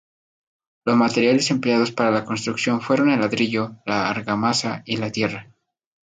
Los materiales empleados para la construcción fueron el ladrillo, la argamasa y la tierra.